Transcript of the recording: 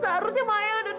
seharusnya maya ada di situ